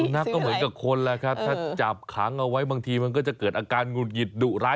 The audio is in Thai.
นักก็เหมือนกับคนแหละครับถ้าจับขังเอาไว้บางทีมันก็จะเกิดอาการหงุดหงิดดุร้าย